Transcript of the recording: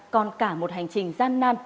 còn cả một hành trình gian nan